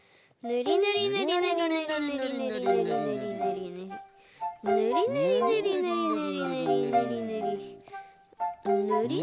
ぬりぬりぬりぬり。